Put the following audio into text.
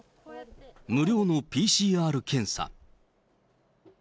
無料のＰＣＲ検査。